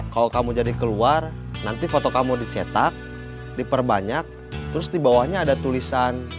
kalau kamu jadi keluar nanti foto kamu dicetak diperbanyak terus di bawahnya ada tulisan